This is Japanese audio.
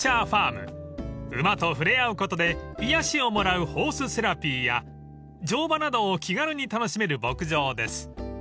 ［馬と触れ合うことで癒やしをもらうホースセラピーや乗馬などを気軽に楽しめる牧場です］